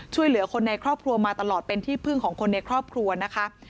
ช่วยเหลือคนในครอบครัวมาตลอดเป็นที่พึ่งของคนในครอบครัวนะคะ